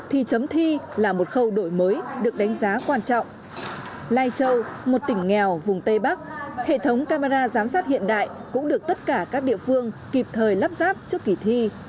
hãy đăng ký kênh để ủng hộ kênh của chúng mình nhé